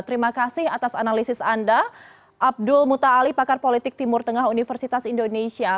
terima kasih atas analisis anda abdul muta ali pakar politik timur tengah universitas indonesia